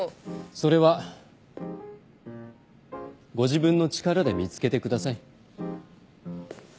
それはご自分の力で見つけてください。